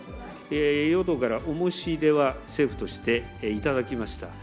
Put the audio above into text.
与党からお申し出は政府としていただきました。